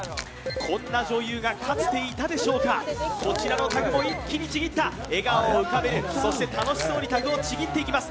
こんな女優がかつていたでしょうかこちらのタグも一気にちぎった笑顔を浮かべるそして楽しそうにタグをちぎっていきます